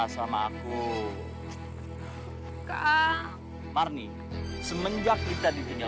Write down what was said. sampai jumpa di video selanjutnya